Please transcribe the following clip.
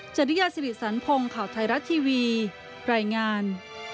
จริยาสิริสันพงศ์ข่าวไทยรัฐทีวีรายงาน